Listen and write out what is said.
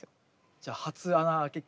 じゃあ初穴あけ器。